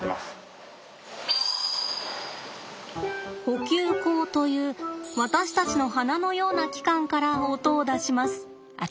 呼吸孔という私たちの鼻のような器官から音を出します。